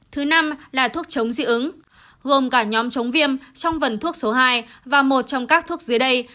thứ năm là thuốc chống dị ứng gồm cả nhóm chống viêm trong vần thuốc số hai và một trong các thuốc dưới đây